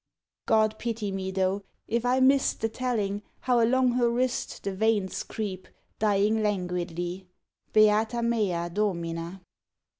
_ God pity me though, if I miss'd The telling, how along her wrist The veins creep, dying languidly _Beata mea Domina!